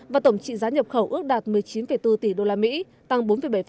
và tổng trị giá nhập khẩu ước đạt một mươi chín bốn tỷ đô la mỹ tăng bốn bảy